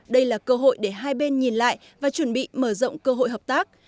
đây là cơ hội để hai bên nhìn lại và chuẩn bị mở rộng cơ hội hợp tác